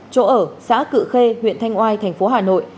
chỗ ở xã cự khê huyện thanh oai thành phố hà nội